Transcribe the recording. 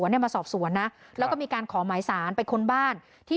วันตอน๓ทุ่มเดี๋ยวโทรไปเป็นไง